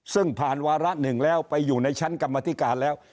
ซึ่งผ่านวาระหนึ่งแล้วไปอยู่ในชั้นกรรมธิการแล้ว